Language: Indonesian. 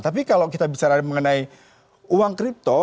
tapi kalau kita bicara mengenai uang kripto